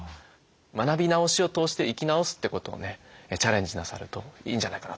学び直しを通して生き直すってことをねチャレンジなさるといいんじゃないかなと。